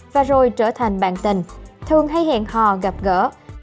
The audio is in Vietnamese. và rồi trở thành bạn tình thường hay hẹn hò gặp gỡ